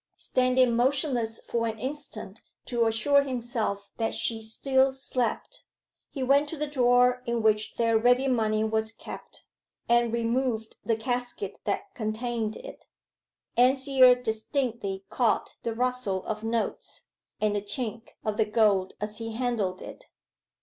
Standing motionless for an instant to assure himself that she still slept, he went to the drawer in which their ready money was kept, and removed the casket that contained it. Anne's ear distinctly caught the rustle of notes, and the chink of the gold as he handled it.